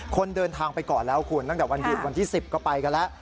คนเดินทางไปก่อนแล้วคุณตั้งแต่วันหยุดวันที่๑๐ก็ไปกันแล้ว